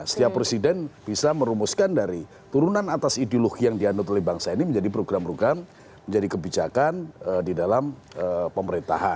setiap presiden bisa merumuskan dari turunan atas ideologi yang dianut oleh bangsa ini menjadi program program menjadi kebijakan di dalam pemerintahan